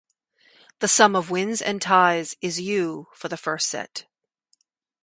The sum of wins and ties is "U" for the first set.